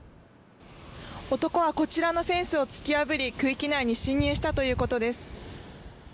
男はこちらのフェンスを突き破り、区域内に侵入したということです。